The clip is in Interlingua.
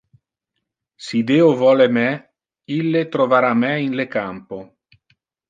Si Deo vole me, ille trovara me in le campo.